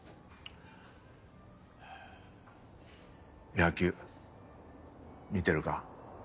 野球見てるか？